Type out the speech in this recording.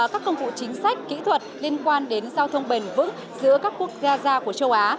các công cụ chính sách kỹ thuật liên quan đến giao thông bền vững giữa các quốc gia gia của châu á